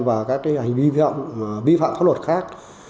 và các hành vi vi phạm vi phạm các luật khác